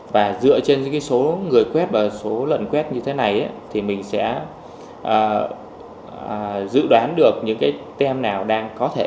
và dựa trên những số người quét và số lần quét như thế này thì mình sẽ dự đoán được những cái tem nào đang có thể